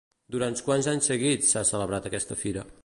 Durant quants anys seguits s'ha celebrat aquesta fira?